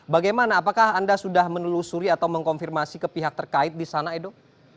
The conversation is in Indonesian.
bagaimana apakah anda sudah menelusuri atau mengkonfirmasi ke pihak terkait di sana edo